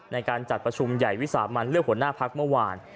ในการจัดประชุมใหญ่วิสามันเลือกหัวหน้าพักเมื่อวาน